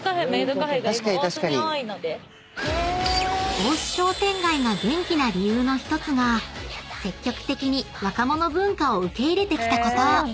［大須商店街が元気な理由の１つが積極的に若者文化を受け入れてきたこと］